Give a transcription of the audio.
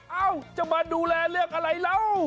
เอ้าจะมาดูแลเรื่องอะไรแล้ว